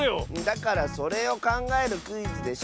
だからそれをかんがえるクイズでしょ。